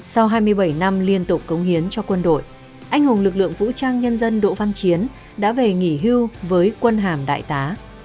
sau hai mươi bảy năm liên tục cống hiến cho quân đội anh hùng lực lượng vũ trang nhân dân đỗ văn chiến đã về nghỉ hưu với quân hàm đại tá